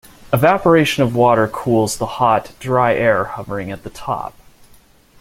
Evaporation of water cools the hot, dry air hovering at the top.